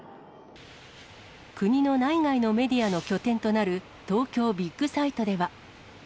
国の内外のメディアの拠点となる東京ビッグサイトでは。